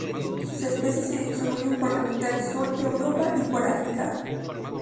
Sus especies se distribuyen por la mitad sur de Europa y por África.